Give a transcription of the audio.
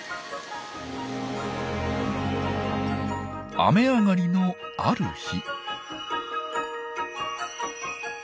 雨上がりのある日。